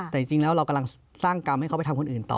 แต่จริงแล้วเรากำลังสร้างกรรมให้เขาไปทำคนอื่นต่อ